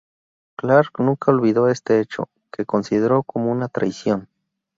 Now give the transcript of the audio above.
Clarke nunca olvidó este hecho, que consideró como una traición.